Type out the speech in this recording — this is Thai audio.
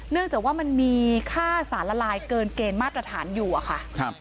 จากว่ามันมีค่าสารละลายเกินเกณฑ์มาตรฐานอยู่อะค่ะ